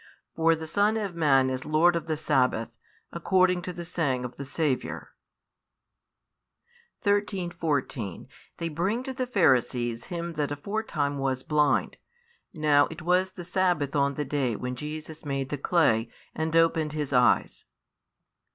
For the Son of Man is Lord of the sabbath, according to the saying of the Saviour. |24 13, 14 They bring to the Pharisees him that aforetime was blind. Now it was the sabbath on the day when Jesus made the clay, and opened his eyes.